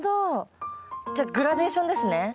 じゃあグラデーションですね。